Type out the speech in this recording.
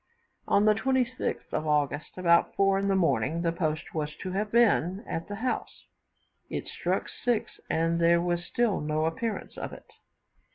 On the 26th of August, about 4 in the morning, the post was to have been at the house; but it struck 6, and there was still no appearance of it.